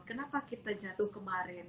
kenapa kita jatuh kemarin